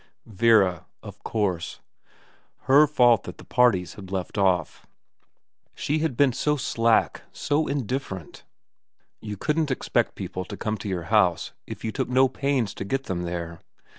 Vera, of course. Her fault that the parties had left off. She had been so slack, so indifferent. You couldn't expect people to come to your house if you took no pains to get them there.